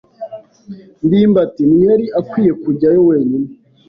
ndimbati ntiyari akwiye kujyayo wenyine.